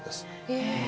へえ。